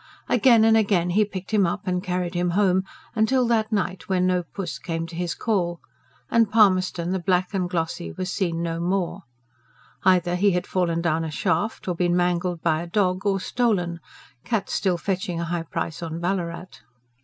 Again and again he picked him up and carried him home; till that night when no puss came to his call, and Palmerston, the black and glossy, was seen no more: either he had fallen down a shaft, or been mangled by a dog, or stolen, cats still fetching a high price on Ballarat.